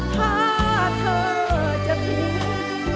ถ้าเธอจะผิด